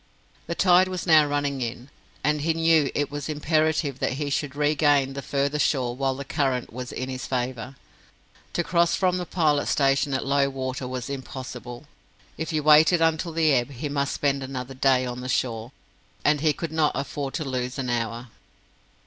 The tide was now running in, and he knew it was imperative that he should regain the further shore while the current was in his favour. To cross from the Pilot Station at low water was impossible. If he waited until the ebb, he must spend another day on the shore, and he could not afford to lose an hour.